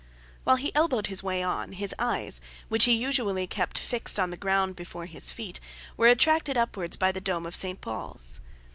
While he elbowed his way on, his eyes, which he usually kept fixed on the ground before his feet, were attracted upwards by the dome of St. Paul's.